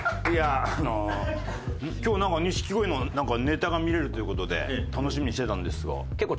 今日なんか錦鯉のネタが見れるという事で楽しみにしてたんですが。